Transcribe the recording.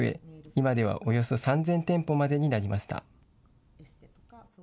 今ではおよそ３０００店舗までになりました。